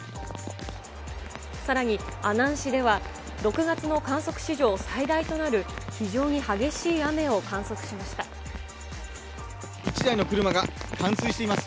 さらに、阿南市では６月の観測史上最大となる、非常に激しい雨を観測しま１台の車が冠水しています。